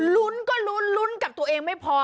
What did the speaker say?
ลุ้นก็ลุ้นลุ้นกับตัวเองไม่พอ